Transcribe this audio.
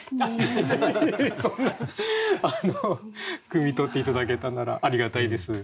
くみ取って頂けたならありがたいです。